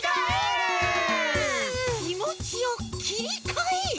きもちをきりかえる？